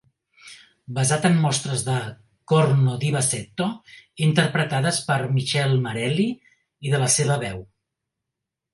Basat en mostres de "corno di bassetto", interpretades per Michele Marelli, i de la seva veu.